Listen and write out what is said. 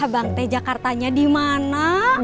abang teh jakartanya dimana